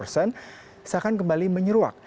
seakan kembali menyeruak